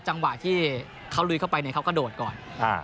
จังหวะที่เขาลุยเข้าไปเนี่ยเขากระโดดก่อน